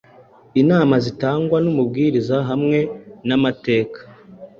inama zitangwa nUmubwirizahamwe namateka